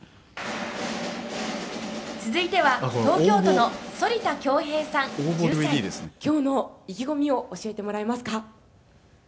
「続いては東京都の反田恭平さん１２歳」「今日の意気込みを教えてもらえますか？」